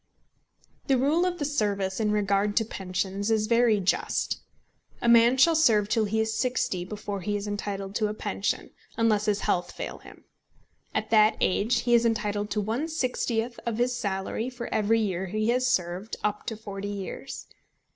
The rule of the service in regard to pensions is very just. A man shall serve till he is sixty before he is entitled to a pension, unless his health fail him. At that age he is entitled to one sixtieth of his salary for every year he has served up to forty years.